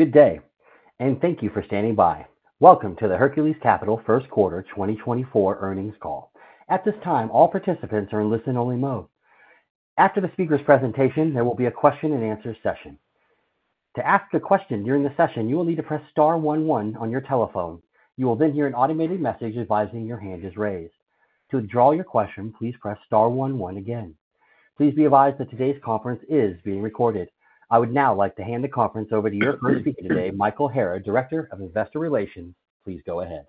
Good day, and thank you for standing by. Welcome to the Hercules Capital First Quarter 2024 Earnings Call. At this time, all participants are in listen-only mode. After the speaker's presentation, there will be a question-and-answer session. To ask a question during the session, you will need to press star one one on your telephone. You will then hear an automated message advising your hand is raised. To withdraw your question, please press star one one again. Please be advised that today's conference is being recorded. I would now like to hand the conference over to your speaker today, Michael Hara, Director of Investor Relations. Please go ahead.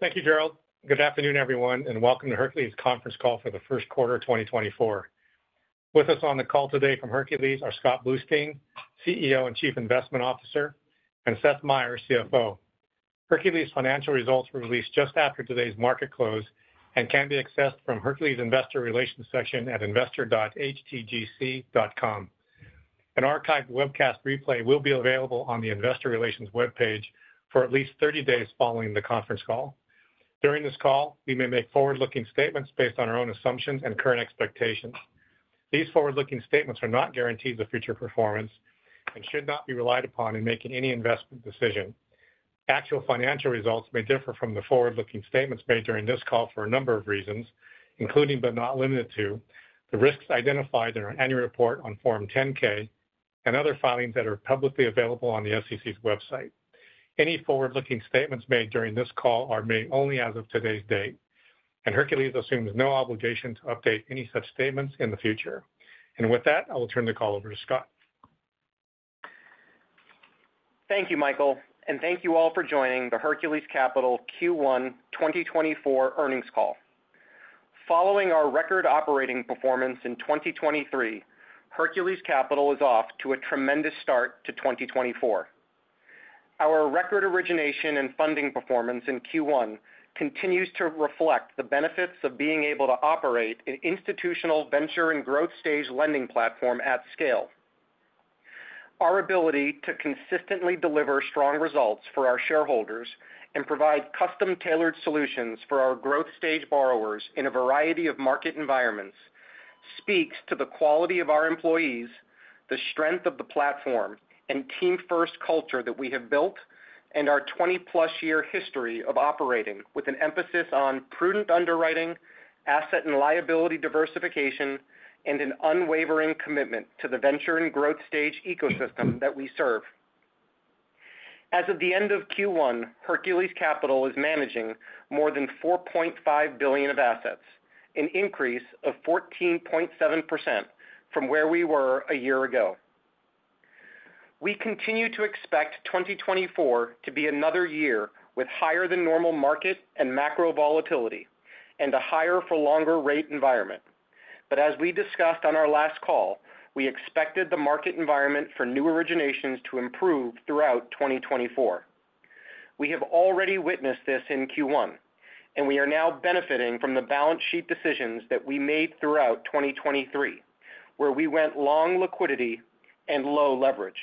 Thank you, Gerald. Good afternoon, everyone, and Welcome to Hercules' Conference Call for The First Quarter of 2024. With us on the call today from Hercules are Scott Bluestein, CEO and Chief Investment Officer, and Seth Meyer, CFO. Hercules' financial results were released just after today's market close and can be accessed from Hercules' Investor Relations section at investor.htgc.com. An archived webcast replay will be available on the Investor Relations webpage for at least 30 days following the conference call. During this call, we may make forward-looking statements based on our own assumptions and current expectations. These forward-looking statements are not guarantees of future performance and should not be relied upon in making any investment decision. Actual financial results may differ from the forward-looking statements made during this call for a number of reasons, including but not limited to, the risks identified in our annual report on Form 10-K and other filings that are publicly available on the SEC's website. Any forward-looking statements made during this call are made only as of today's date, and Hercules assumes no obligation to update any such statements in the future. With that, I will turn the call over to Scott. Thank you, Michael, and thank you all for joining the Hercules Capital Q1 2024 Earnings Call. Following our record operating performance in 2023, Hercules Capital is off to a tremendous start to 2024. Our record origination and funding performance in Q1 continues to reflect the benefits of being able to operate an institutional venture and growth stage lending platform at scale. Our ability to consistently deliver strong results for our shareholders and provide custom-tailored solutions for our growth stage borrowers in a variety of market environments speaks to the quality of our employees, the strength of the platform and team-first culture that we have built, and our 20+ year history of operating, with an emphasis on prudent underwriting, asset and liability diversification, and an unwavering commitment to the venture and growth stage ecosystem that we serve. As of the end of Q1, Hercules Capital is managing more than $4.5 billion of assets, an increase of 14.7% from where we were a year ago. We continue to expect 2024 to be another year with higher than normal market and macro volatility and a higher for longer rate environment. But as we discussed on our last call, we expected the market environment for new originations to improve throughout 2024. We have already witnessed this in Q1, and we are now benefiting from the balance sheet decisions that we made throughout 2023, where we went long liquidity and low leverage.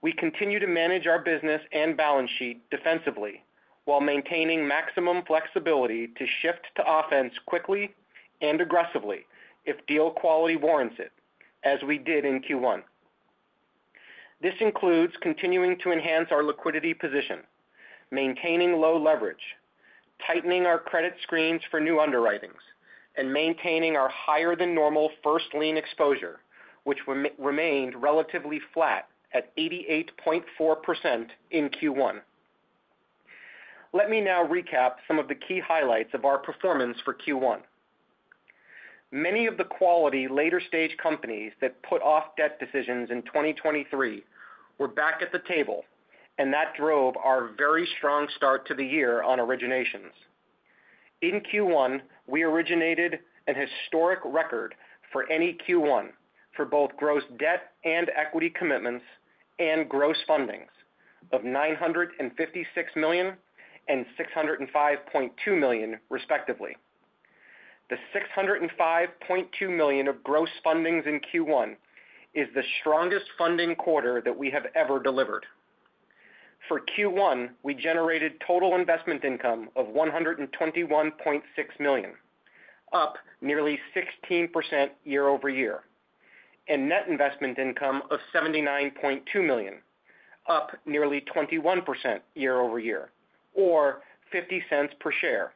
We continue to manage our business and balance sheet defensively while maintaining maximum flexibility to shift to offense quickly and aggressively if deal quality warrants it, as we did in Q1. This includes continuing to enhance our liquidity position, maintaining low leverage, tightening our credit screens for new underwritings, and maintaining our higher-than-normal first lien exposure, which remained relatively flat at 88.4% in Q1. Let me now recap some of the key highlights of our performance for Q1. Many of the quality later-stage companies that put off debt decisions in 2023 were back at the table, and that drove our very strong start to the year on originations. In Q1, we originated a historic record for any Q1 for both gross debt and equity commitments and gross fundings of $956 million and $605.2 million, respectively. The $605.2 million of gross fundings in Q1 is the strongest funding quarter that we have ever delivered. For Q1, we generated total investment income of $121.6 million, up nearly 16% year-over-year, and net investment income of $79.2 million, up nearly 21% year-over-year or $0.50 per share,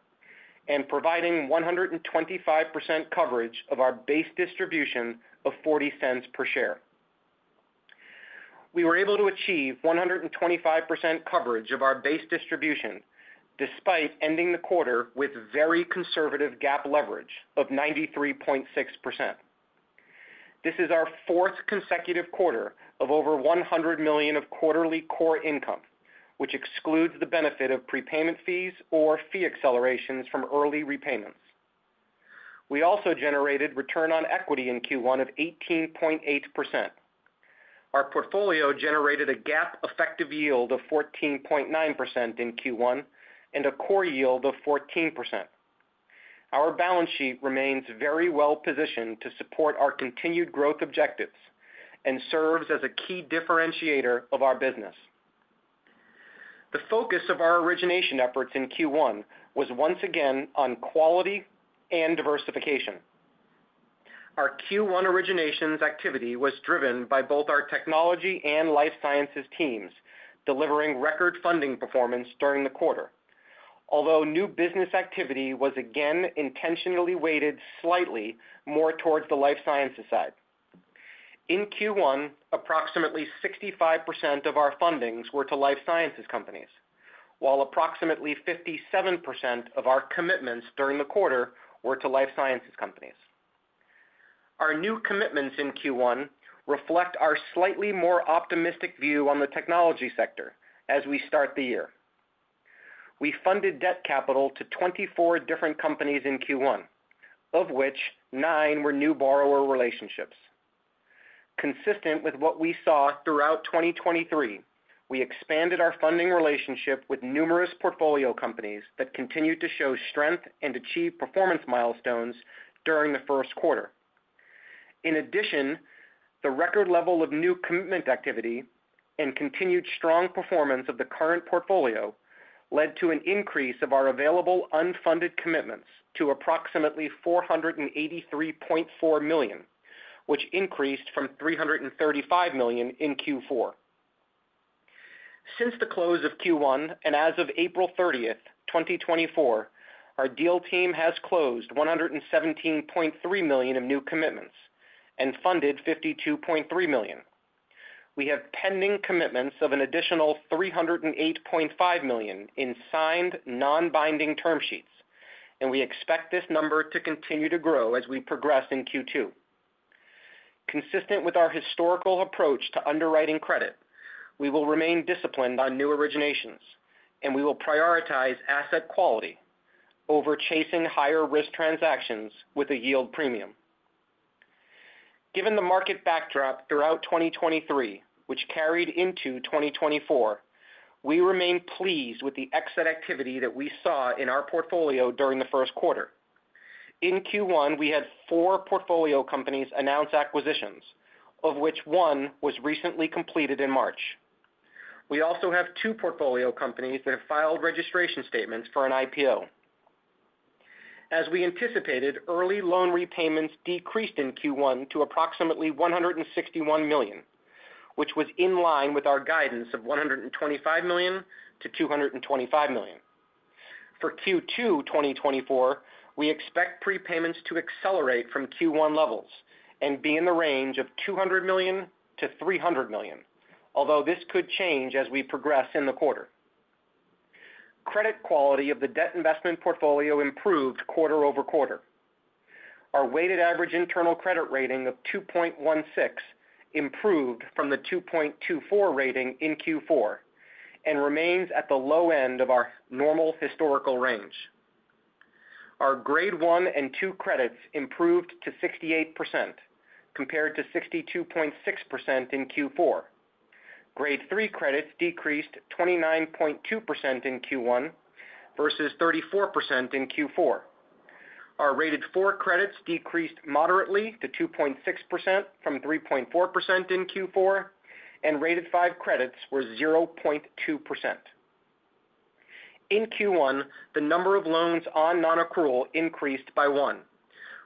and providing 125% coverage of our base distribution of $0.40 per share. We were able to achieve 125% coverage of our base distribution despite ending the quarter with very conservative GAAP leverage of 93.6%. This is our fourth consecutive quarter of over $100 million of quarterly core income, which excludes the benefit of prepayment fees or fee accelerations from early repayments. We also generated return on equity in Q1 of 18.8%. Our portfolio generated a GAAP effective yield of 14.9% in Q1 and a core yield of 14%. Our balance sheet remains very well positioned to support our continued growth objectives and serves as a key differentiator of our business. The focus of our origination efforts in Q1 was once again on quality and diversification. Our Q1 originations activity was driven by both our technology and life sciences teams, delivering record funding performance during the quarter. Although new business activity was again intentionally weighted slightly more towards the life sciences side. In Q1, approximately 65% of our fundings were to life sciences companies, while approximately 57% of our commitments during the quarter were to life sciences companies. Our new commitments in Q1 reflect our slightly more optimistic view on the technology sector as we start the year. We funded debt capital to 24 different companies in Q1, of which 9 were new borrower relationships. Consistent with what we saw throughout 2023, we expanded our funding relationship with numerous portfolio companies that continued to show strength and achieve performance milestones during the first quarter. In addition, the record level of new commitment activity and continued strong performance of the current portfolio led to an increase of our available unfunded commitments to approximately $483.4 million, which increased from $335 million in Q4. Since the close of Q1, and as of April 30, 2024, our deal team has closed $117.3 million of new commitments and funded $52.3 million. We have pending commitments of an additional $308.5 million in signed, non-binding term sheets, and we expect this number to continue to grow as we progress in Q2. Consistent with our historical approach to underwriting credit, we will remain disciplined on new originations, and we will prioritize asset quality over chasing higher risk transactions with a yield premium. Given the market backdrop throughout 2023, which carried into 2024, we remain pleased with the exit activity that we saw in our portfolio during the first quarter. In Q1, we had 4 portfolio companies announce acquisitions, of which 1 was recently completed in March. We also have 2 portfolio companies that have filed registration statements for an IPO. As we anticipated, early loan repayments decreased in Q1 to approximately $161 million, which was in line with our guidance of $125 million-$225 million. For Q2 2024, we expect prepayments to accelerate from Q1 levels and be in the range of $200 million-$300 million, although this could change as we progress in the quarter. Credit quality of the debt investment portfolio improved quarter-over-quarter. Our weighted average internal credit rating of 2.16 improved from the 2.24 rating in Q4 and remains at the low end of our normal historical range. Our Grade 1 and 2 credits improved to 68%, compared to 62.6% in Q4. Grade 3 credits decreased 29.2% in Q1 versus 34% in Q4. Our rated 4 credits decreased moderately to 2.6% from 3.4% in Q4, and rated 5 credits were 0.2%. In Q1, the number of loans on non-accrual increased by 1.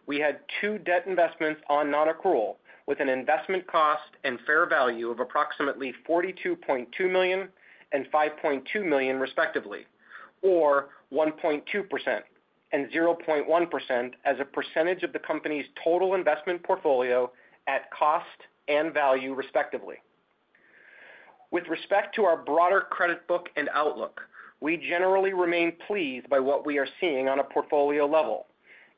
We had 2 debt investments on non-accrual, with an investment cost and fair value of approximately $42.2 million and $5.2 million, respectively, or 1.2% and 0.1% as a percentage of the company's total investment portfolio at cost and value, respectively. With respect to our broader credit book and outlook, we generally remain pleased by what we are seeing on a portfolio level,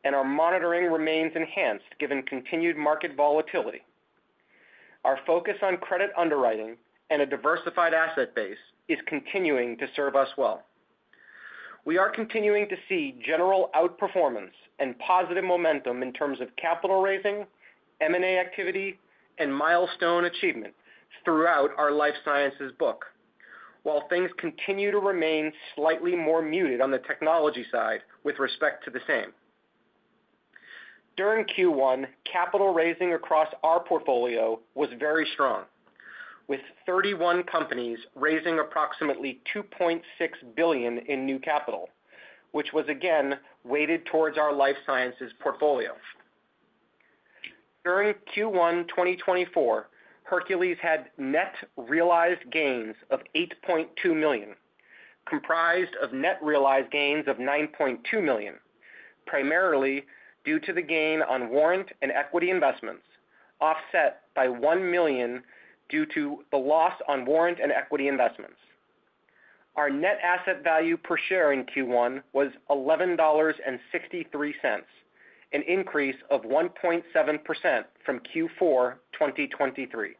and our monitoring remains enhanced given continued market volatility. Our focus on credit underwriting and a diversified asset base is continuing to serve us well. We are continuing to see general outperformance and positive momentum in terms of capital raising, M&A activity, and milestone achievements throughout our life sciences book, while things continue to remain slightly more muted on the technology side with respect to the same. During Q1, capital raising across our portfolio was very strong, with 31 companies raising approximately $2.6 billion in new capital, which was again weighted towards our life sciences portfolio. During Q1 2024, Hercules had net realized gains of $8.2 million, comprised of net realized gains of $9.2 million, primarily due to the gain on warrant and equity investments, offset by $1 million due to the loss on warrant and equity investments. Our net asset value per share in Q1 was $11.63, an increase of 1.7% from Q4 2023.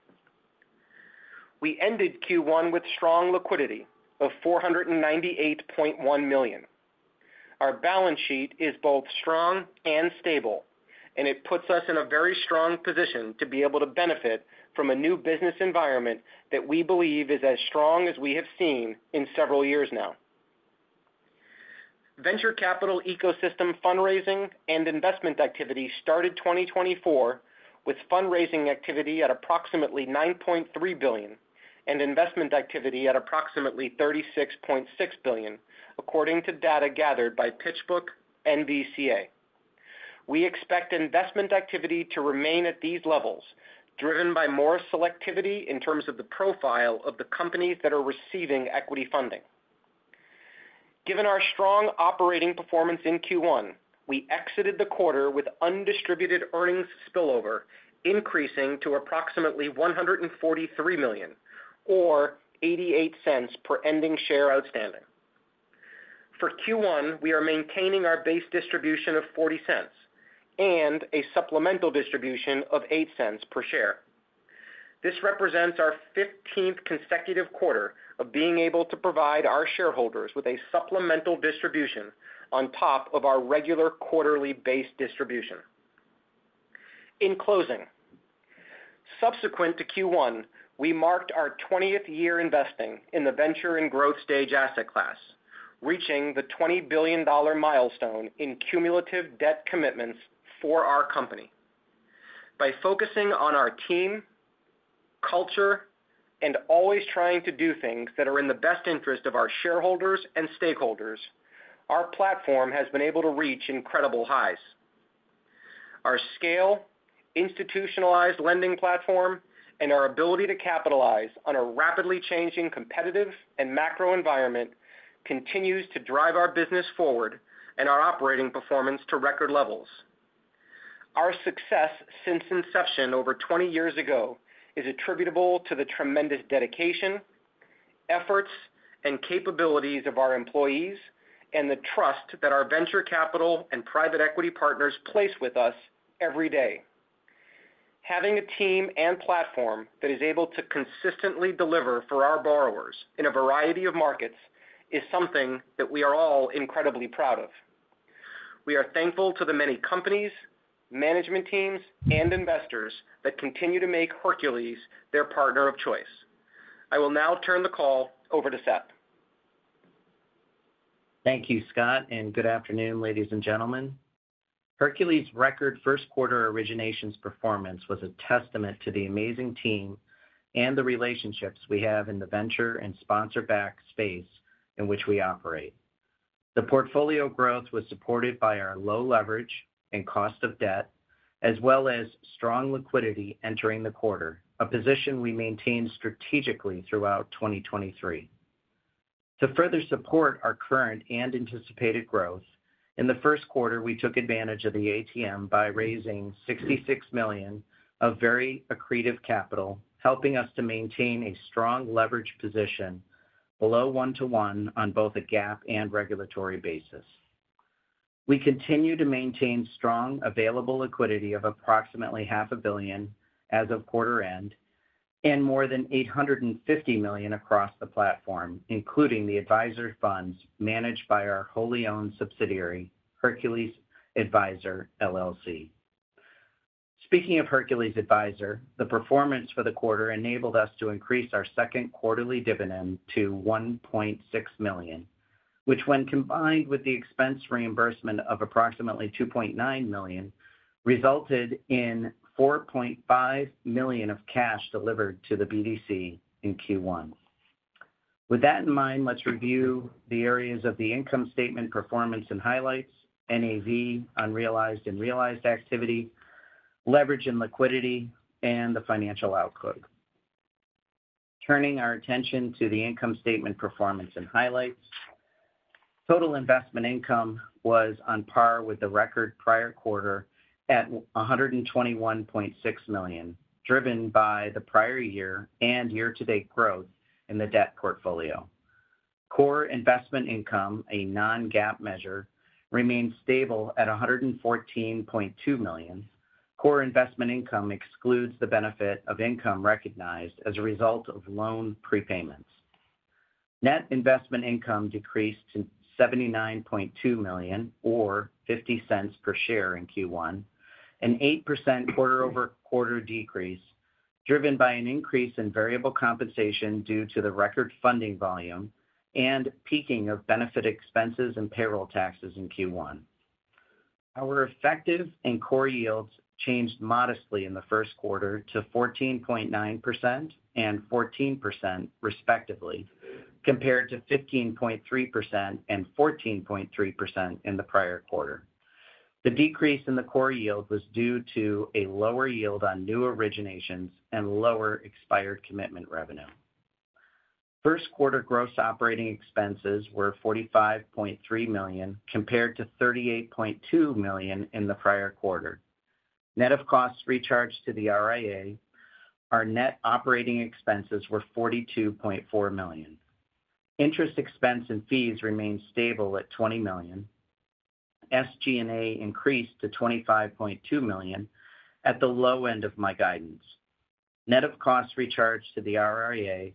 We ended Q1 with strong liquidity of $498.1 million. Our balance sheet is both strong and stable, and it puts us in a very strong position to be able to benefit from a new business environment that we believe is as strong as we have seen in several years now. Venture capital ecosystem fundraising and investment activity started 2024, with fundraising activity at approximately $9.3 billion and investment activity at approximately $36.6 billion, according to data gathered by PitchBook-NVCA. We expect investment activity to remain at these levels, driven by more selectivity in terms of the profile of the companies that are receiving equity funding. Given our strong operating performance in Q1, we exited the quarter with undistributed earnings spillover increasing to approximately $143 million, or $0.88 per ending share outstanding. For Q1, we are maintaining our base distribution of $0.40 and a supplemental distribution of $0.08 per share. This represents our 15th consecutive quarter of being able to provide our shareholders with a supplemental distribution on top of our regular quarterly base distribution. In closing, subsequent to Q1, we marked our 20th year investing in the venture and growth stage asset class, reaching the $20 billion milestone in cumulative debt commitments for our company. By focusing on our team, culture, and always trying to do things that are in the best interest of our shareholders and stakeholders, our platform has been able to reach incredible highs. Our scale, institutionalized lending platform, and our ability to capitalize on a rapidly changing competitive and macro environment continues to drive our business forward and our operating performance to record levels. Our success since inception over 20 years ago is attributable to the tremendous dedication, efforts, and capabilities of our employees, and the trust that our venture capital and private equity partners place with us every day. Having a team and platform that is able to consistently deliver for our borrowers in a variety of markets is something that we are all incredibly proud of. We are thankful to the many companies, management teams, and investors that continue to make Hercules their partner of choice. I will now turn the call over to Seth. Thank you, Scott, and good afternoon, ladies and gentlemen. Hercules' record first quarter originations performance was a testament to the amazing team and the relationships we have in the venture and sponsor-backed space in which we operate. The portfolio growth was supported by our low leverage and cost of debt, as well as strong liquidity entering the quarter, a position we maintained strategically throughout 2023. To further support our current and anticipated growth, in the first quarter, we took advantage of the ATM by raising $66 million of very accretive capital, helping us to maintain a strong leverage position below 1-to-1 on both a GAAP and regulatory basis. We continue to maintain strong available liquidity of approximately $500 million as of quarter end, and more than $850 million across the platform, including the advisory funds managed by our wholly owned subsidiary, Hercules Adviser LLC. Speaking of Hercules Adviser, the performance for the quarter enabled us to increase our second quarterly dividend to $1.6 million, which, when combined with the expense reimbursement of approximately $2.9 million, resulted in $4.5 million of cash delivered to the BDC in Q1. With that in mind, let's review the areas of the income statement, performance and highlights, NAV, unrealized and realized activity, leverage and liquidity, and the financial outlook. Turning our attention to the income statement, performance and highlights. Total investment income was on par with the record prior quarter at $121.6 million, driven by the prior year and year-to-date growth in the debt portfolio. Core investment income, a non-GAAP measure, remained stable at $114.2 million. Core investment income excludes the benefit of income recognized as a result of loan prepayments. Net investment income decreased to $79.2 million or $0.50 per share in Q1, an 8% quarter-over-quarter decrease, driven by an increase in variable compensation due to the record funding volume and peaking of benefit expenses and payroll taxes in Q1. Our effective and core yields changed modestly in the first quarter to 14.9% and 14%, respectively, compared to 15.3% and 14.3% in the prior quarter. The decrease in the core yield was due to a lower yield on new originations and lower expired commitment revenue. First quarter gross operating expenses were $45.3 million, compared to $38.2 million in the prior quarter. Net of costs recharged to the RIA, our net operating expenses were $42.4 million. Interest expense and fees remained stable at $20 million. SG&A increased to $25.2 million at the low end of my guidance. Net of costs recharged to the RIA,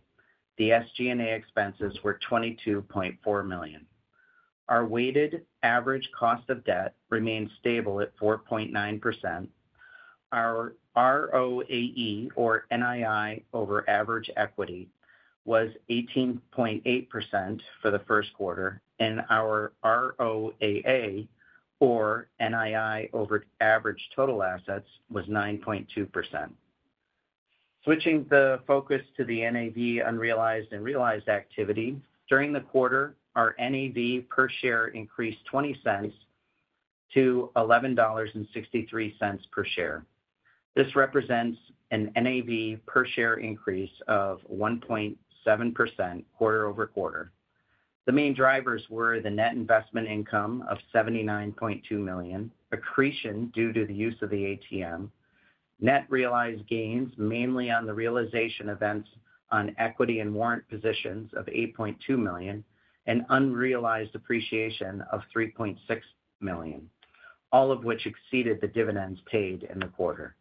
the SG&A expenses were $22.4 million. Our weighted average cost of debt remained stable at 4.9%. Our ROAE, or NII over average equity, was 18.8% for the first quarter, and our ROAA, or NII over average total assets, was 9.2%. Switching the focus to the NAV unrealized and realized activity, during the quarter, our NAV per share increased $0.20 to $11.63 per share. This represents an NAV per share increase of 1.7% quarter-over-quarter. The main drivers were the net investment income of $79.2 million, accretion due to the use of the ATM, net realized gains, mainly on the realization events on equity and warrant positions of $8.2 million, and unrealized appreciation of $3.6 million, all of which exceeded the dividends paid in the quarter.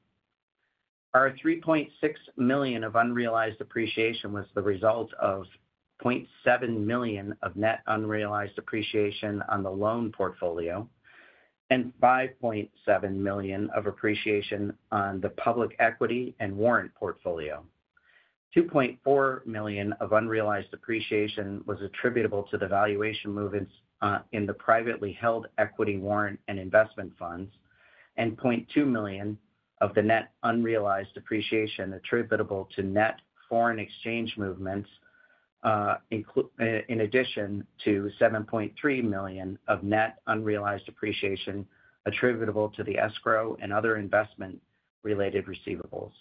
Our $3.6 million of unrealized appreciation was the result of $0.7 million of net unrealized appreciation on the loan portfolio and $5.7 million of appreciation on the public equity and warrant portfolio. $2.4 million of unrealized appreciation was attributable to the valuation movements in the privately held equity warrant and investment funds, and $0.2 million of the net unrealized appreciation attributable to net foreign exchange movements, in addition to $7.3 million of net unrealized appreciation attributable to the escrow and other investment-related receivables.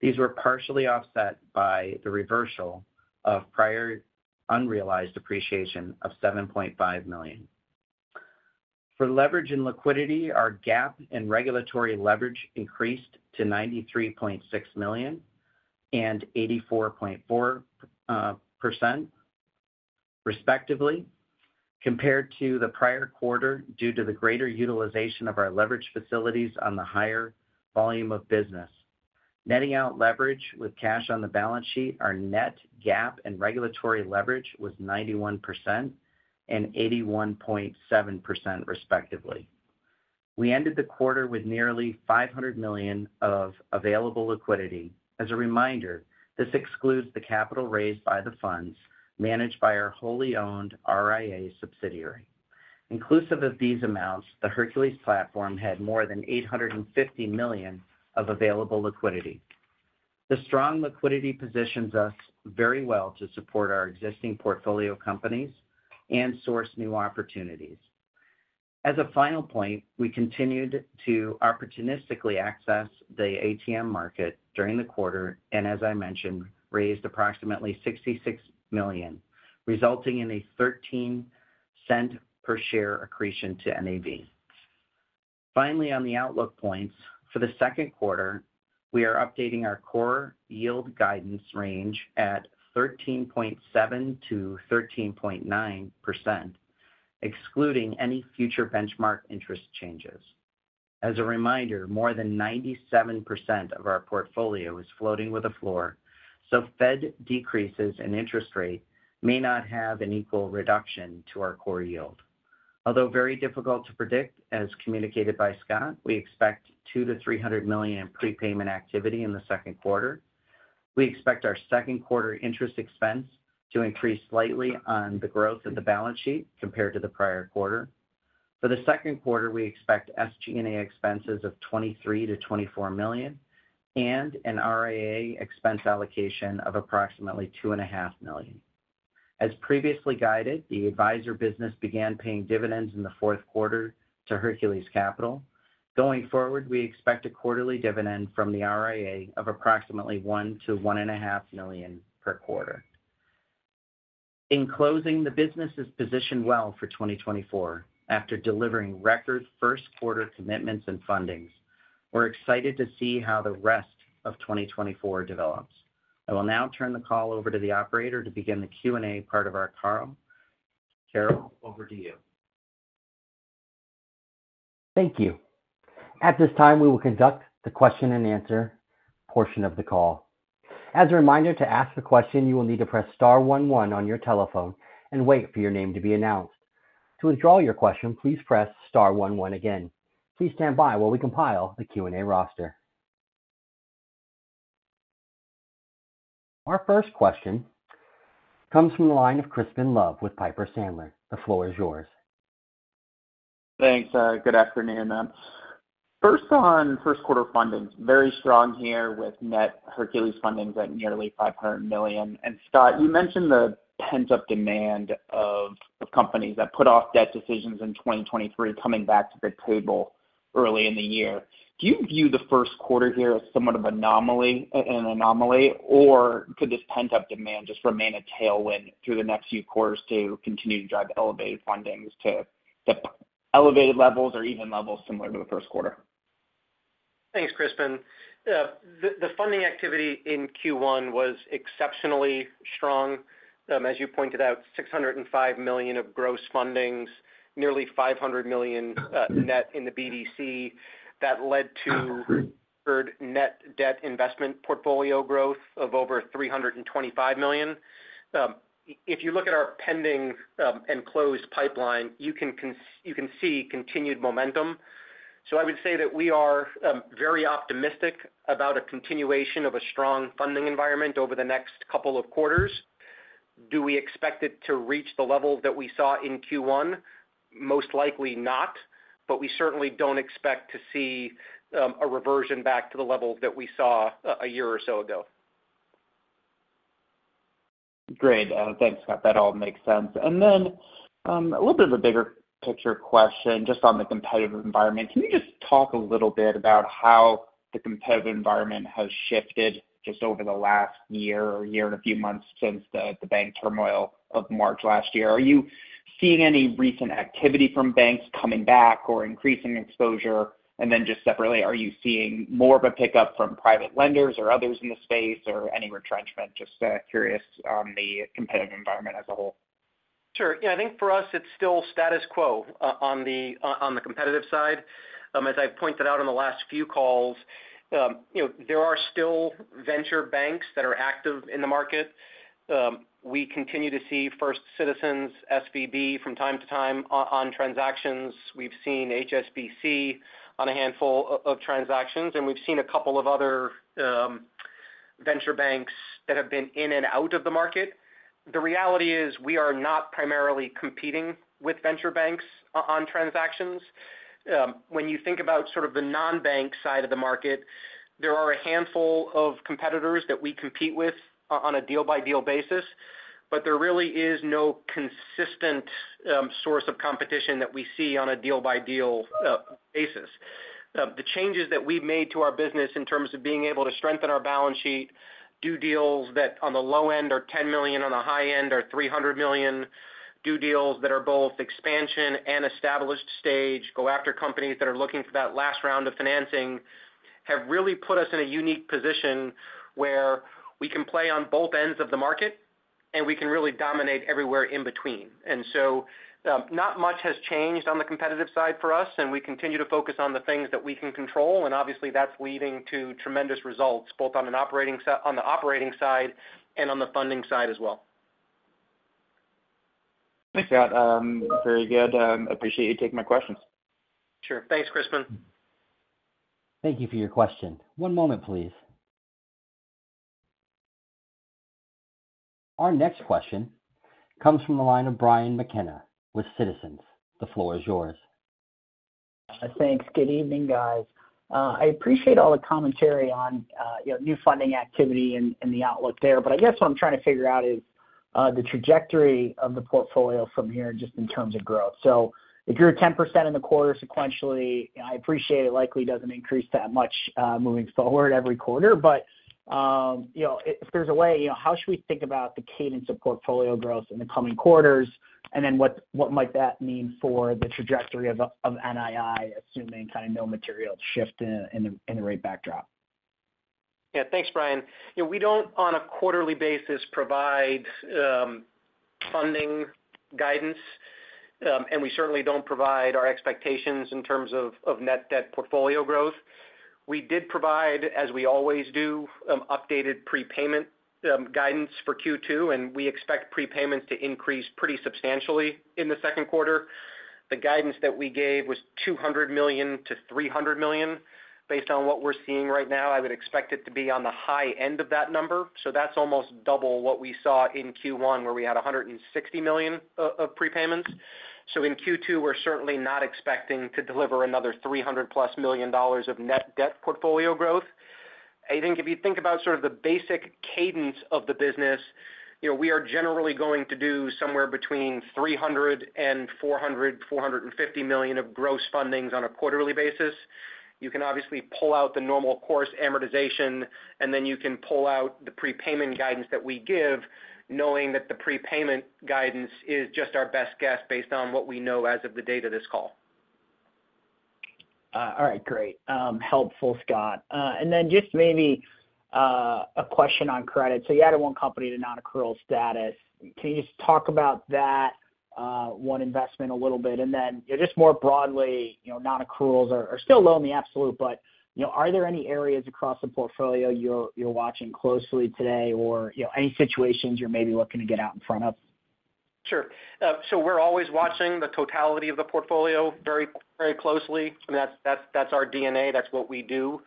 These were partially offset by the reversal of prior unrealized appreciation of $7.5 million. For leverage and liquidity, our GAAP and regulatory leverage increased to $93.6 million and 84.4%, respectively, compared to the prior quarter, due to the greater utilization of our leverage facilities on the higher volume of business. Netting out leverage with cash on the balance sheet, our net GAAP and regulatory leverage was 91% and 81.7%, respectively. We ended the quarter with nearly $500 million of available liquidity. As a reminder, this excludes the capital raised by the funds managed by our wholly owned RIA subsidiary. Inclusive of these amounts, the Hercules platform had more than $850 million of available liquidity. The strong liquidity positions us very well to support our existing portfolio companies and source new opportunities. As a final point, we continued to opportunistically access the ATM market during the quarter, and as I mentioned, raised approximately $66 million, resulting in a $0.13 per share accretion to NAV. Finally, on the outlook points, for the second quarter, we are updating our core yield guidance range at 13.7%-13.9%, excluding any future benchmark interest changes. As a reminder, more than 97% of our portfolio is floating with a floor, so Fed decreases in interest rate may not have an equal reduction to our core yield. Although very difficult to predict, as communicated by Scott, we expect $200 million-$300 million in prepayment activity in the second quarter. We expect our second quarter interest expense to increase slightly on the growth of the balance sheet compared to the prior quarter. For the second quarter, we expect SG&A expenses of $23 million-$24 million and an RIA expense allocation of approximately $2.5 million. As previously guided, the advisor business began paying dividends in the fourth quarter to Hercules Capital. Going forward, we expect a quarterly dividend from the RIA of approximately $1 million-$1.5 million per quarter. In closing, the business is positioned well for 2024 after delivering record first quarter commitments and fundings. We're excited to see how the rest of 2024 develops. I will now turn the call over to the operator to begin the Q&A part of our call. Carol, over to you. Thank you. At this time, we will conduct the question-and-answer portion of the call. As a reminder, to ask a question, you will need to press star one one on your telephone and wait for your name to be announced. To withdraw your question, please press star one one again. Please stand by while we compile the Q&A roster. Our first question comes from the line of Crispin Love with Piper Sandler. The floor is yours. Thanks, good afternoon. First, on first quarter fundings, very strong here with net Hercules fundings at nearly $500 million. And Scott, you mentioned the pent-up demand of companies that put off debt decisions in 2023 coming back to the table early in the year. Do you view the first quarter here as somewhat of an anomaly, or could this pent-up demand just remain a tailwind through the next few quarters to continue to drive elevated fundings to elevated levels or even levels similar to the first quarter? Thanks, Crispin. The funding activity in Q1 was exceptionally strong. As you pointed out, $605 million of gross fundings, nearly $500 million net in the BDC. That led to net debt investment portfolio growth of over $325 million. If you look at our pending and closed pipeline, you can see continued momentum. So I would say that we are very optimistic about a continuation of a strong funding environment over the next couple of quarters. Do we expect it to reach the level that we saw in Q1? Most likely not, but we certainly don't expect to see a reversion back to the levels that we saw a year or so ago. Great. Thanks, Scott. That all makes sense. And then, a little bit of a bigger picture question, just on the competitive environment. Can you just talk a little bit about how the competitive environment has shifted just over the last year or year and a few months since the, the bank turmoil of March last year? Are you seeing any recent activity from banks coming back or increasing exposure? And then just separately, are you seeing more of a pickup from private lenders or others in the space, or any retrenchment? Just, curious on the competitive environment as a whole. Sure. Yeah, I think for us, it's still status quo on the competitive side. As I've pointed out on the last few calls, you know, there are still venture banks that are active in the market. We continue to see First Citizens, SVB from time to time on transactions. We've seen HSBC on a handful of transactions, and we've seen a couple of other venture banks that have been in and out of the market. The reality is, we are not primarily competing with venture banks on transactions. When you think about sort of the non-bank side of the market, there are a handful of competitors that we compete with on a deal-by-deal basis, but there really is no consistent source of competition that we see on a deal-by-deal basis. The changes that we've made to our business in terms of being able to strengthen our balance sheet, do deals that on the low end are $10 million, on the high end are $300 million, do deals that are both expansion and established stage, go after companies that are looking for that last round of financing, have really put us in a unique position where we can play on both ends of the market, and we can really dominate everywhere in between. And so, not much has changed on the competitive side for us, and we continue to focus on the things that we can control, and obviously, that's leading to tremendous results, both on the operating side and on the funding side as well. Thanks, Scott. Very good. Appreciate you taking my questions. Sure. Thanks, Crispin. Thank you for your question. One moment, please. Our next question comes from the line of Brian McKenna with Citizens. The floor is yours. Thanks. Good evening, guys. I appreciate all the commentary on, you know, new funding activity and, and the outlook there, but I guess what I'm trying to figure out is, the trajectory of the portfolio from here, just in terms of growth. So if you're at 10% in the quarter sequentially, I appreciate it likely doesn't increase that much, moving forward every quarter. But, you know, if there's a way, you know, how should we think about the cadence of portfolio growth in the coming quarters? And then what, what might that mean for the trajectory of, of NII, assuming kind of no material shift in, in the, in the rate backdrop? Yeah. Thanks, Brian. You know, we don't, on a quarterly basis, provide funding guidance, and we certainly don't provide our expectations in terms of net debt portfolio growth. We did provide, as we always do, updated prepayment guidance for Q2, and we expect prepayments to increase pretty substantially in the second quarter. The guidance that we gave was $200 million-$300 million. Based on what we're seeing right now, I would expect it to be on the high end of that number. So that's almost double what we saw in Q1, where we had $160 million of prepayments. So in Q2, we're certainly not expecting to deliver another $300+ million of net debt portfolio growth. I think if you think about sort of the basic cadence of the business, you know, we are generally going to do somewhere between $300 million-$450 million of gross fundings on a quarterly basis. You can obviously pull out the normal course amortization, and then you can pull out the prepayment guidance that we give, knowing that the prepayment guidance is just our best guess, based on what we know as of the date of this call. All right, great. Helpful, Scott. And then just maybe a question on credit. So you added one company to non-accrual status. Can you just talk about that one investment a little bit? And then, you know, just more broadly, you know, non-accruals are still low in the absolute, but, you know, are there any areas across the portfolio you're watching closely today or, you know, any situations you're maybe looking to get out in front of? Sure. So we're always watching the totality of the portfolio very, very closely, and that's, that's, that's our DNA. That's what we do.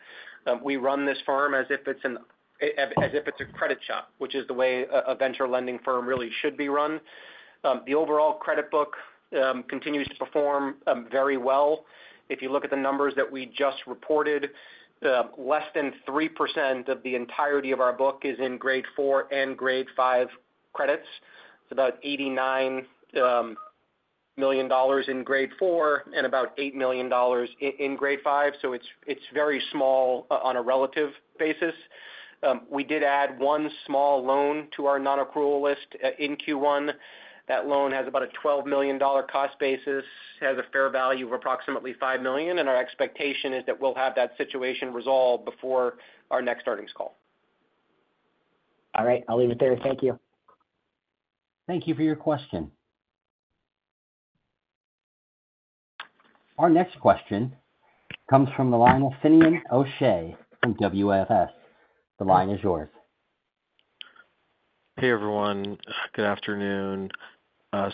We run this firm as if it's as if it's a credit shop, which is the way a a venture lending firm really should be run. The overall credit book continues to perform very well. If you look at the numbers that we just reported, less than 3% of the entirety of our book is in Grade 4 and Grade 5 credits. It's about $89 million in Grade 4 and about $8 million in Grade 5, so it's, it's very small on a relative basis. We did add one small loan to our non-accrual list in Q1. That loan has about a $12 million cost basis, has a fair value of approximately $5 million, and our expectation is that we'll have that situation resolved before our next earnings call. All right, I'll leave it there. Thank you. Thank you for your question. Our next question comes from the line of Finian O'Shea from WFS. The line is yours. Hey, everyone. Good afternoon.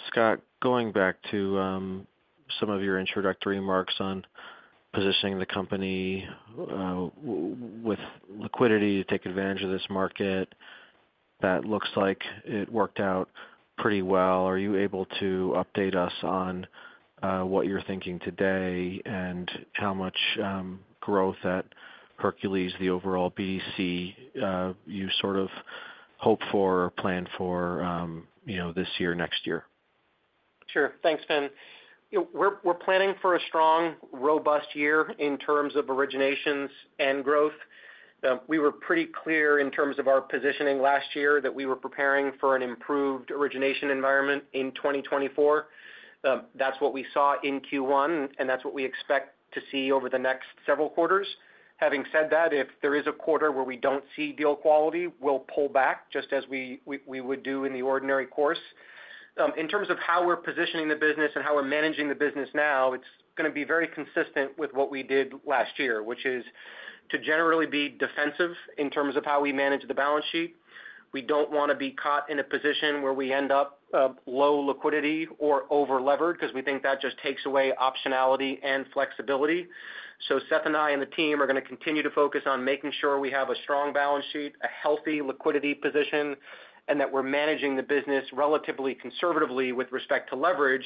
Scott, going back to some of your introductory remarks on positioning the company with liquidity to take advantage of this market, that looks like it worked out pretty well. Are you able to update us on what you're thinking today and how much growth at Hercules, the overall BDC, you sort of hope for or plan for, you know, this year, next year? Sure. Thanks, Fin. You know, we're, we're planning for a strong, robust year in terms of originations and growth. We were pretty clear in terms of our positioning last year that we were preparing for an improved origination environment in 2024. That's what we saw in Q1, and that's what we expect to see over the next several quarters. Having said that, if there is a quarter where we don't see deal quality, we'll pull back just as we would do in the ordinary course. In terms of how we're positioning the business and how we're managing the business now, it's gonna be very consistent with what we did last year, which is to generally be defensive in terms of how we manage the balance sheet. We don't wanna be caught in a position where we end up low liquidity or over-levered, 'cause we think that just takes away optionality and flexibility. So Seth and I, and the team are gonna continue to focus on making sure we have a strong balance sheet, a healthy liquidity position, and that we're managing the business relatively conservatively with respect to leverage,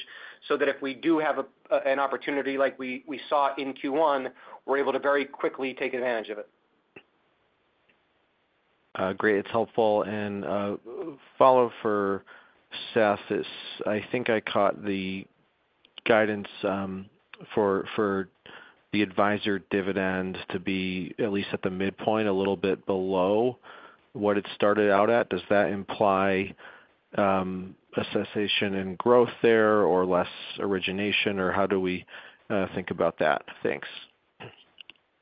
so that if we do have an opportunity like we saw in Q1, we're able to very quickly take advantage of it. Great. It's helpful. And a follow-up for Seth is, I think I caught the guidance for the advisor dividend to be at least at the midpoint, a little bit below what it started out at. Does that imply a cessation in growth there or less origination, or how do we think about that? Thanks.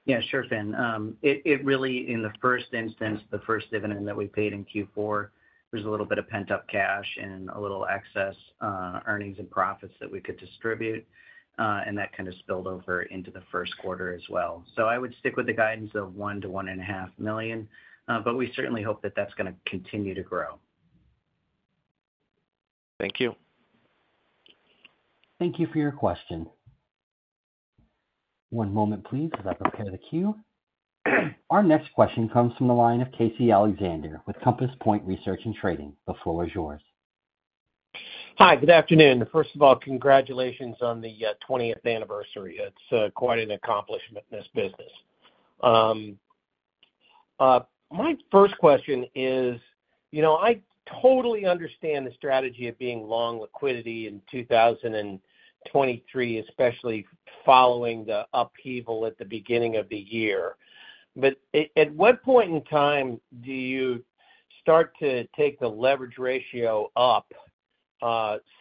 Yeah, sure, Fin. It really, in the first instance, the first dividend that we paid in Q4, there's a little bit of pent-up cash and a little excess, earnings and profits that we could distribute, and that kind of spilled over into the first quarter as well. So I would stick with the guidance of $1 million-$1.5 million, but we certainly hope that that's gonna continue to grow. Thank you. Thank you for your question. One moment, please, as I prepare the queue. Our next question comes from the line of Casey Alexander with Compass Point Research and Trading. The floor is yours. Hi, good afternoon. First of all, congratulations on the 20th anniversary. It's quite an accomplishment in this business. My first question is, you know, I totally understand the strategy of being long liquidity in 2023, especially following the upheaval at the beginning of the year. But at what point in time do you start to take the leverage ratio up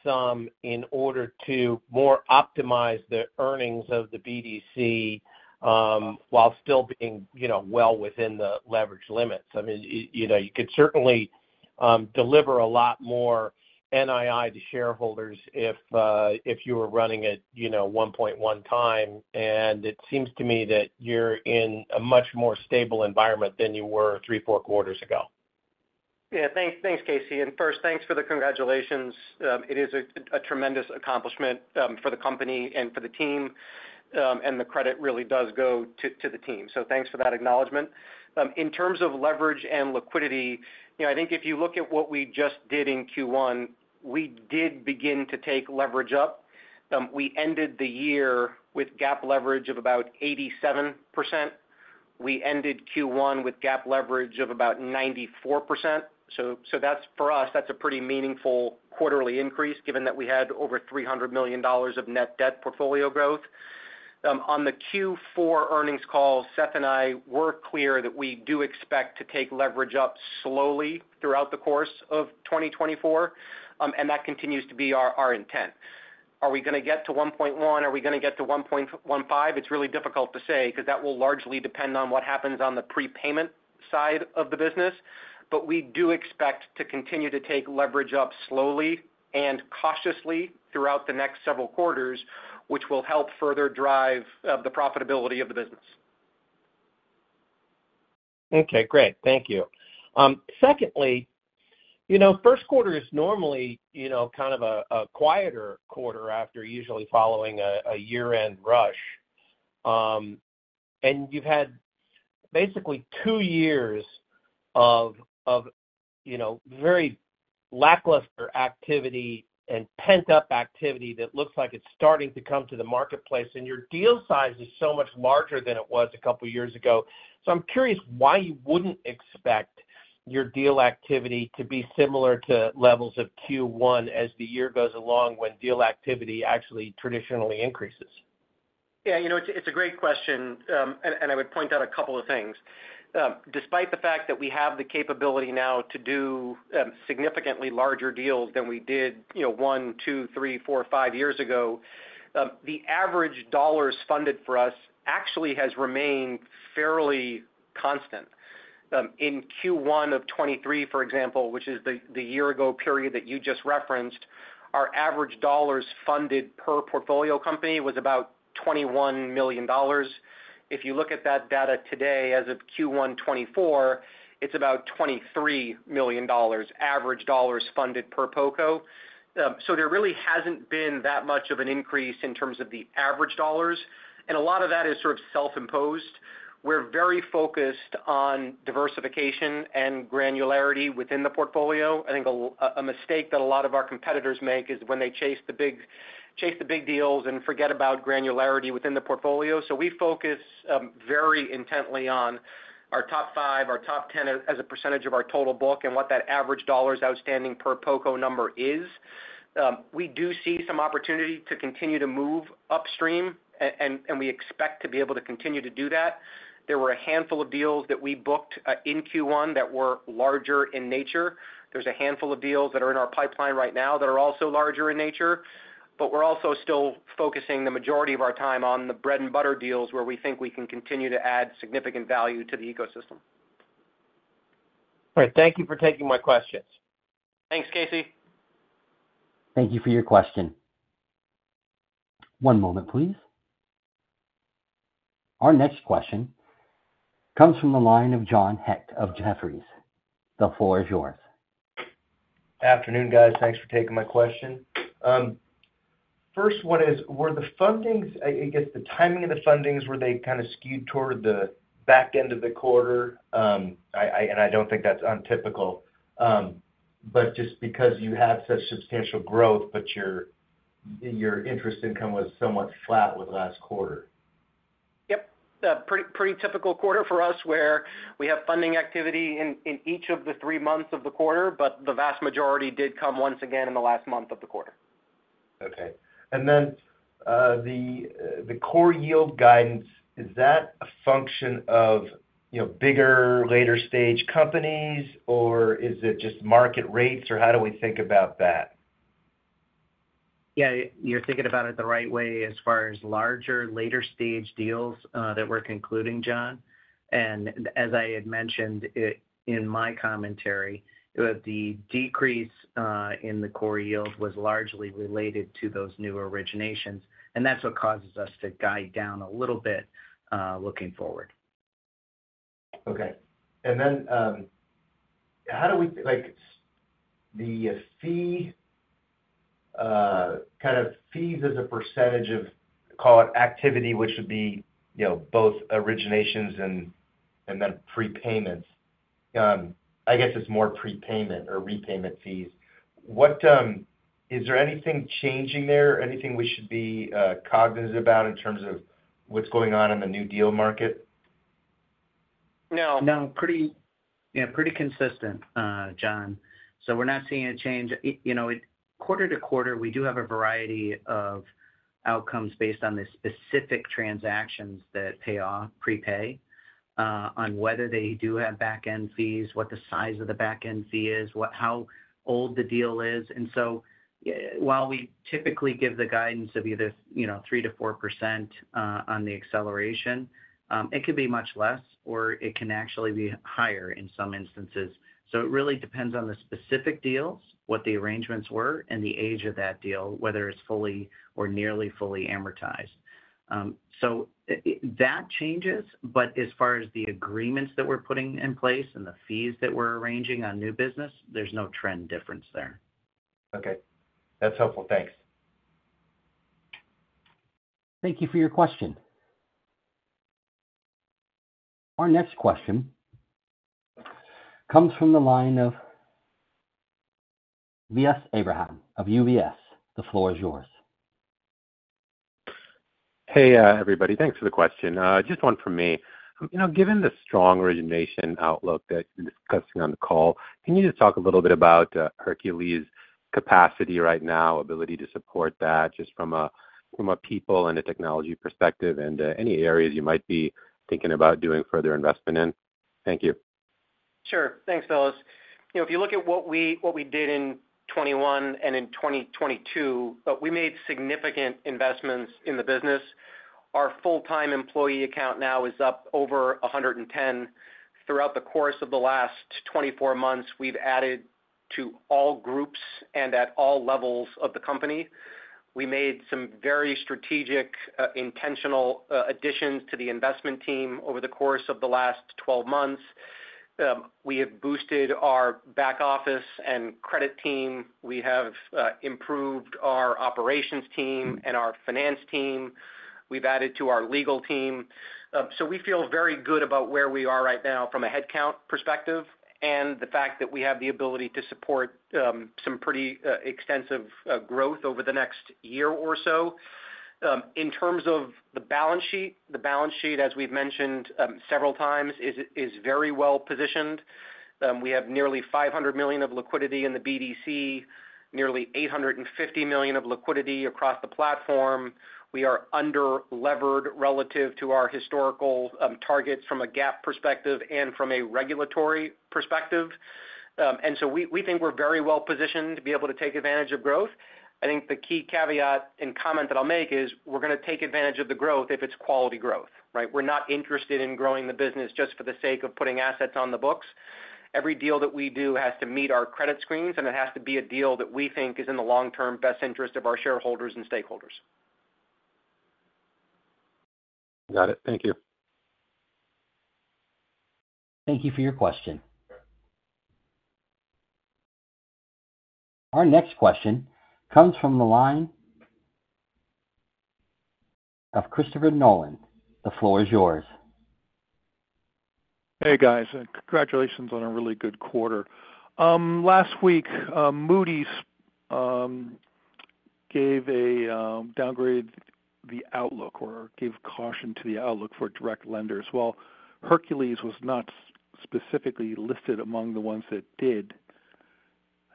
some in order to more optimize the earnings of the BDC while still being, you know, well within the leverage limits? I mean, you know, you could certainly deliver a lot more NII to shareholders if you were running it, you know, 1.1 times, and it seems to me that you're in a much more stable environment than you were three or four quarters ago. Yeah, thanks, thanks, Casey. And first, thanks for the congratulations. It is a tremendous accomplishment for the company and for the team, and the credit really does go to the team. So thanks for that acknowledgment. In terms of leverage and liquidity, you know, I think if you look at what we just did in Q1, we did begin to take leverage up. We ended the year with GAAP leverage of about 87%. We ended Q1 with GAAP leverage of about 94%. So that's, for us, that's a pretty meaningful quarterly increase, given that we had over $300 million of net debt portfolio growth. On the Q4 earnings call, Seth and I were clear that we do expect to take leverage up slowly throughout the course of 2024, and that continues to be our, our intent. Are we gonna get to 1.1? Are we gonna get to 1.5? It's really difficult to say, 'cause that will largely depend on what happens on the prepayment side of the business. But we do expect to continue to take leverage up slowly and cautiously throughout the next several quarters, which will help further drive the profitability of the business. Okay, great. Thank you. Secondly, you know, first quarter is normally, you know, kind of a quieter quarter after usually following a year-end rush. And you've had basically two years of, you know, very lackluster activity and pent-up activity that looks like it's starting to come to the marketplace, and your deal size is so much larger than it was a couple of years ago. So I'm curious why you wouldn't expect your deal activity to be similar to levels of Q1 as the year goes along when deal activity actually traditionally increases. Yeah, you know, it's a great question, and I would point out a couple of things. Despite the fact that we have the capability now to do significantly larger deals than we did, you know, one, two, three, four, five years ago, the average dollars funded for us actually has remained fairly constant. In Q1 of 2023, for example, which is the year-ago period that you just referenced, our average dollars funded per portfolio company was about $21 million. If you look at that data today, as of Q1 2024, it's about $23 million, average dollars funded per PortCo. So there really hasn't been that much of an increase in terms of the average dollars, and a lot of that is sort of self-imposed. We're very focused on diversification and granularity within the portfolio. I think a mistake that a lot of our competitors make is when they chase the big deals and forget about granularity within the portfolio. So we focus very intently on our top five, our top 10 as a percentage of our total book, and what that average dollars outstanding per PortCo number is. We do see some opportunity to continue to move upstream, and we expect to be able to continue to do that. There were a handful of deals that we booked in Q1 that were larger in nature. There's a handful of deals that are in our pipeline right now that are also larger in nature, but we're also still focusing the majority of our time on the bread and butter deals, where we think we can continue to add significant value to the ecosystem. All right. Thank you for taking my questions. Thanks, Casey. Thank you for your question. One moment, please. Our next question comes from the line of John Hecht of Jefferies. The floor is yours. Afternoon, guys. Thanks for taking my question. First one is, were the fundings, I guess, the timing of the fundings, were they kind of skewed toward the back end of the quarter? I don't think that's untypical, but just because you had such substantial growth, but your interest income was somewhat flat with last quarter. Yep. A pretty, pretty typical quarter for us, where we have funding activity in each of the three months of the quarter, but the vast majority did come once again in the last month of the quarter. Okay. And then, the core yield guidance, is that a function of, you know, bigger, later-stage companies, or is it just market rates, or how do we think about that? Yeah, you're thinking about it the right way as far as larger, later-stage deals that we're concluding, John. And as I had mentioned it in my commentary, the decrease in the core yield was largely related to those new originations, and that's what causes us to guide down a little bit, looking forward. Okay. And then, how do we—like, the fee, kind of fees as a percentage of, call it, activity, which would be, you know, both originations and, and then prepayments. I guess it's more prepayment or repayment fees. What? Is there anything changing there? Anything we should be cognizant about in terms of what's going on in the new deal market? No. No, pretty, yeah, pretty consistent, John. So we're not seeing a change. You know, quarter to quarter, we do have a variety of outcomes based on the specific transactions that pay off, prepay, on whether they do have back-end fees, what the size of the back-end fee is, how old the deal is. And so, while we typically give the guidance of either, you know, 3%-4% on the acceleration, it could be much less, or it can actually be higher in some instances. So it really depends on the specific deals, what the arrangements were, and the age of that deal, whether it's fully or nearly fully amortized. So, that changes, but as far as the agreements that we're putting in place and the fees that we're arranging on new business, there's no trend difference there. Okay. That's helpful. Thanks. Thank you for your question. Our next question comes from the line of Vilas Abraham of UBS. The floor is yours. Hey, everybody. Thanks for the question. Just one from me. You know, given the strong origination outlook that you're discussing on the call, can you just talk a little bit about Hercules' capacity right now, ability to support that, just from a people and a technology perspective, and any areas you might be thinking about doing further investment in? Thank you. Sure. Thanks, Vilas. You know, if you look at what we did in 2021 and in 2022, we made significant investments in the business. Our full-time employee count now is up over 110. Throughout the course of the last 24 months, we've added to all groups and at all levels of the company. We made some very strategic, intentional additions to the investment team over the course of the last 12 months. We have boosted our back office and credit team. We have improved our operations team and our finance team. We've added to our legal team. So we feel very good about where we are right now from a headcount perspective, and the fact that we have the ability to support some pretty extensive growth over the next year or so. In terms of the balance sheet, the balance sheet, as we've mentioned, several times, is very well positioned. We have nearly $500 million of liquidity in the BDC, nearly $850 million of liquidity across the platform. We are under-levered relative to our historical targets from a GAAP perspective and from a regulatory perspective. And so we think we're very well positioned to be able to take advantage of growth. I think the key caveat and comment that I'll make is we're gonna take advantage of the growth if it's quality growth, right? We're not interested in growing the business just for the sake of putting assets on the books. Every deal that we do has to meet our credit screens, and it has to be a deal that we think is in the long-term best interest of our shareholders and stakeholders. Got it. Thank you. Thank you for your question. Our next question comes from the line of Christopher Nolan. The floor is yours. Hey, guys, congratulations on a really good quarter. Last week, Moody's gave a downgrade the outlook or gave caution to the outlook for direct lenders. While Hercules was not specifically listed among the ones that did,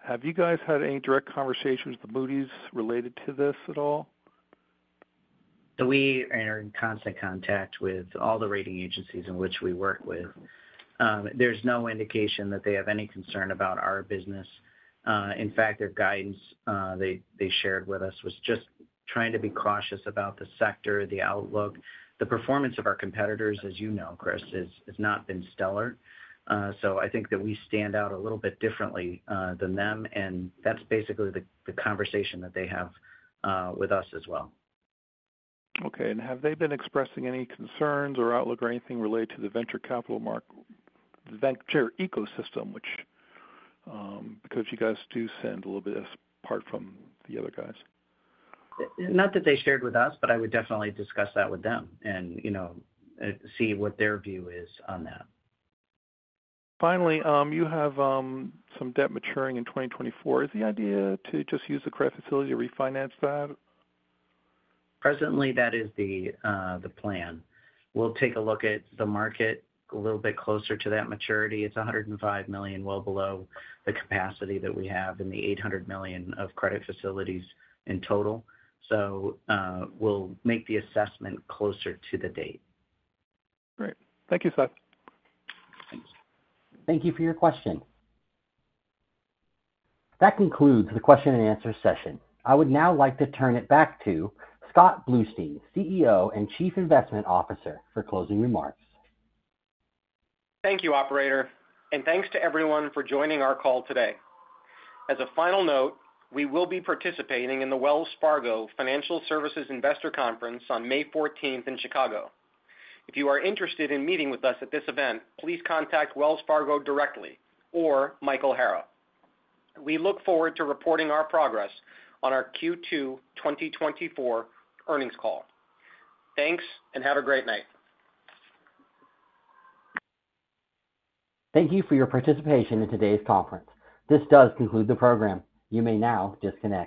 have you guys had any direct conversations with Moody's related to this at all? We are in constant contact with all the rating agencies in which we work with. There's no indication that they have any concern about our business. In fact, their guidance they shared with us was just trying to be cautious about the sector, the outlook. The performance of our competitors, as you know, Chris, has not been stellar. So I think that we stand out a little bit differently than them, and that's basically the conversation that they have with us as well. Okay. And have they been expressing any concerns, or outlook, or anything related to the venture ecosystem, which, because you guys do stand a little bit apart from the other guys? Not that they shared with us, but I would definitely discuss that with them and, you know, see what their view is on that. Finally, you have, some debt maturing in 2024. Is the idea to just use the credit facility to refinance that? Presently, that is the plan. We'll take a look at the market a little bit closer to that maturity. It's $105 million, well below the capacity that we have in the $800 million of credit facilities in total. So, we'll make the assessment closer to the date. Great. Thank you, Seth. Thank you for your question. That concludes the question and answer session. I would now like to turn it back to Scott Bluestein, CEO and Chief Investment Officer, for closing remarks. Thank you, operator, and thanks to everyone for joining our call today. As a final note, we will be participating in the Wells Fargo Financial Services Investor Conference on May 14th in Chicago. If you are interested in meeting with us at this event, please contact Wells Fargo directly or Michael Hara. We look forward to reporting our progress on our Q2 2024 earnings call. Thanks, and have a great night. Thank you for your participation in today's conference. This does conclude the program. You may now disconnect.